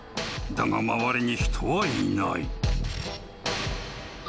だが周りに人はいない］